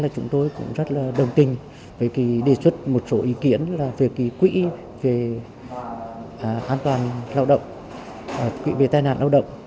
chúng tôi cũng rất đồng tình với đề xuất một số ý kiến là về quỹ về an toàn lao động quỹ về tai nạn lao động